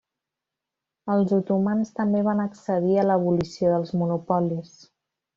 Els otomans també van accedir a l'abolició dels monopolis.